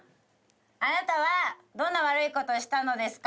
あなたはどんな悪いことをしたのですか？